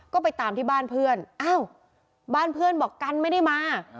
ก็ไปตามที่บ้านเพื่อนอ้าวบ้านเพื่อนบอกกันไม่ได้มา